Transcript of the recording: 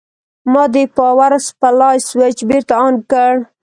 ما د پاور سپلای سویچ بېرته آن کړ.